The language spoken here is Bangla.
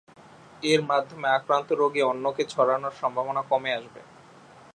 এর মাধ্যমে আক্রান্ত রোগী অন্যকে ছড়ানোর সম্ভাবনা কমে আসবে।